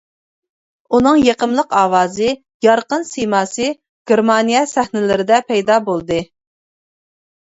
ئۇنىڭ يېقىملىق ئاۋازى، يارقىن سىيماسى گېرمانىيە سەھنىلىرىدە پەيدا بولدى.